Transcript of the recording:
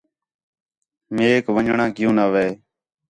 میک ون٘ڄݨاں کیوں نہ وے